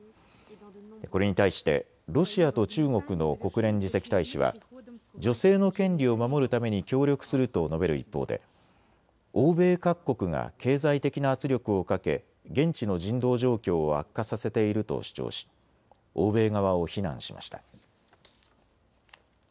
これに対してロシアと中国の国連次席大使は女性の権利を守るために協力すると述べる一方で欧米各国が経済的な圧力をかけ現地の人道状況を悪化させていると主張し欧米側を非難しました。